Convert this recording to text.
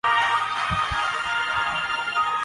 head coach Dav Whatmore بھی اپنی ناکامی کا